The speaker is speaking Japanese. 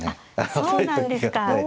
あっそうなんですか。